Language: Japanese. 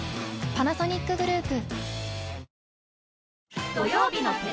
パナソニックグループ。